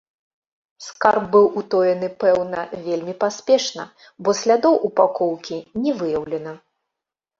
Скарб быў утоены, пэўна, вельмі паспешна, бо слядоў упакоўкі не выяўлена.